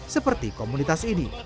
seperti komunitas ini